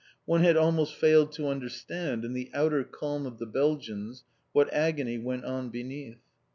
One had almost failed to understand, in the outer calm of the Belgians, what agony went on beneath.